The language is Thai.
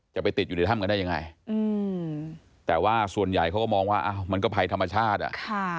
จะไปติดอยู่ในถ้ำกันได้ยังไงแต่ว่าส่วนใหญ่เขาก็มองว่าอ้าวมันก็ภัยธรรมชาติอ่ะค่ะ